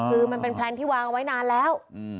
คือมันเป็นแพลนที่วางเอาไว้นานแล้ว